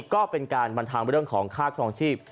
ก็เป็นการบรรทางเรื่องของค่าครองชีพ